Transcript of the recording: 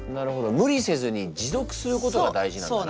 無理せずに持続することが大事なんだな。